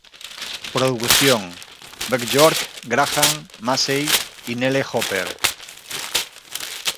Producción: Björk, Graham Massey y Nelle Hooper.